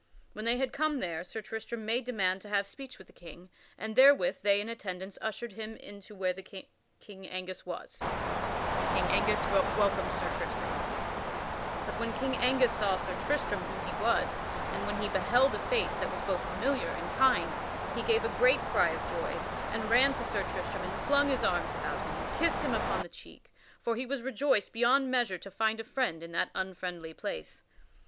When they had come there, Sir Tristram made demand to have speech with the King, and therewith they in attendance ushered him in to where the King Angus was. [Sidenote: King Angus welcomes Sir Tristram] But when King Angus saw Sir Tristram who he was, and when he beheld a face that was both familiar and kind, he gave a great cry of joy, and ran to Sir Tristram and flung his arms about him, and kissed him upon the cheek; for he was rejoiced beyond measure to find a friend in that unfriendly place.